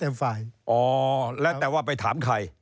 มันแล้วแต่ฝ่าย